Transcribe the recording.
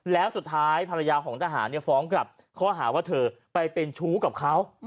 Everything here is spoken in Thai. แล้วสุดท้ายภรรยาของทหารฟ้องกลับข้อหาว่าเธอไปเป็นชู้กับเขา